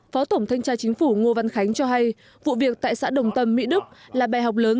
phó tổng thanh tra chính phủ ngô văn khánh cho hay vụ việc tại xã đồng tâm mỹ đức là bè học lớn